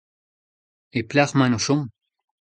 E pelec'h emaint o chom ?